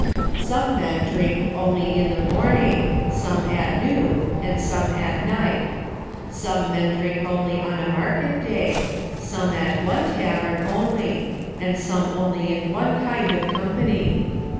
Some men, drink only in the morning, some at noon, and some at night. — Some men drink only on a market day, some at one tavern only, and some only in one kind of company.